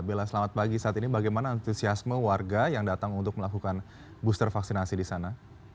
bella selamat pagi saat ini bagaimana antusiasme warga yang datang untuk melakukan booster vaksinasi di sana